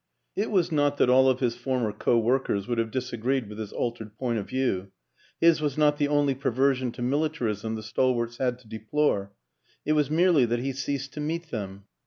It was not that all of his former co workers would have disagreed with his altered point of view; his was not the only per version to militarism the stalwarts had to deplore ; it was merely that he ceased to meet them.